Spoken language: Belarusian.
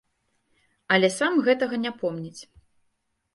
Але сам гэтага не помніць.